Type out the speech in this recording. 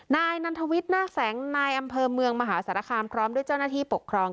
นายนันทวิทย์นาคแสงนายอำเภอเมืองมหาสารคามพร้อมด้วยเจ้าหน้าที่ปกครอง